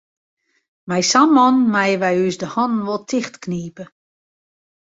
Mei sa'n man meie wy ús de hannen wol tichtknipe.